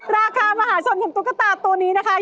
ราคามหาชนของตุ๊กตาตัวนี้นะคะ